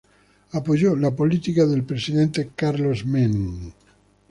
Apoyó la política del presidente Carlos Menem.